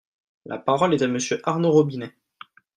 La parole est à Monsieur Arnaud Robinet.